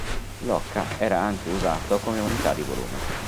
L'occa era anche usato come unità di volume.